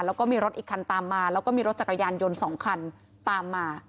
แล้วก็มีรถอีกคันตามมาแล้วก็มีรถจักรยานยนต์๒คันตามมา